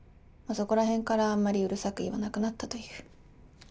そこらへんからあんまりうるさく言わなくなったという。